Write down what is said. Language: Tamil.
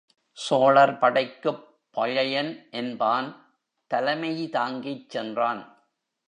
சோழர் படைக்குப் பழையன் என்பான் தலைமை தாங்கிச் சென்றான்.